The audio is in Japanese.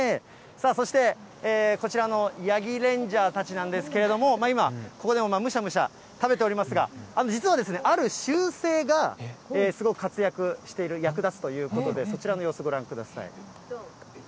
そして、こちらのヤギレンジャーたちなんですけれども、今、ここでもむしゃむしゃ食べておりますが、実はですね、ある習性がすごく活躍している、役立つということでそちらの様子、ご覧ください。